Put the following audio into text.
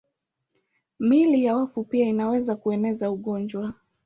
Miili ya wafu pia inaweza kueneza ugonjwa.